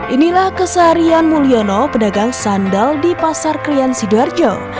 inilah keseharian mulyono pedagang sandal di pasar krian sidoarjo